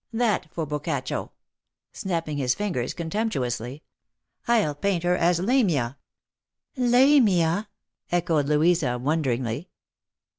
"That for Boccaccio!" snapping his fingers contemptuously. " I'll paint her as Lamia." " Lamia !" echoed Louisa wonderingly.